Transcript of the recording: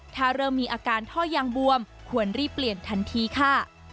ถ้าเริ่มมีอาการท่อยางบวมควรรีบเปลี่ยนทันทีค่ะ